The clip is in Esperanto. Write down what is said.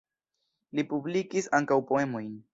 Li publikis ankaŭ poemojn.